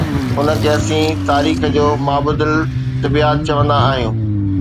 ان کي اسين تاريخ جو مابعد الطبعيات چوندا آهيون.